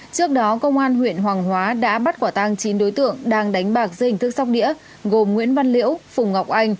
trước đó công an huyện hoàng hóa đã bắt quả tang chín đối tượng đang đánh bạc dây hình thức sóc đĩa gồm nguyễn văn liễu phùng ngọc anh